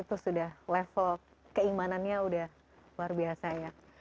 itu sudah level keimanannya sudah luar biasa ya